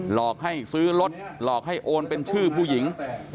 หลอกให้ซื้อรถหลอกให้โอนเป็นชื่อผู้หญิง